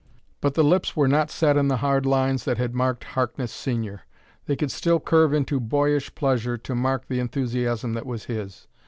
But the lips were not set in the hard lines that had marked Harkness Senior; they could still curve into boyish pleasure to mark the enthusiasm that was his.